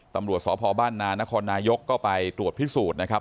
ตำรวจสพบ้านนานครนายกก็ไปตรวจพิสูจน์นะครับ